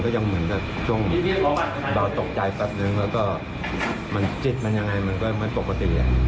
ก็คือปกติมันจะอยู่ท้ายรถ